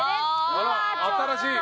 あら新しい！